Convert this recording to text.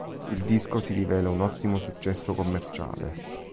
Il disco si rivela un ottimo successo commerciale.